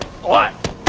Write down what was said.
おい！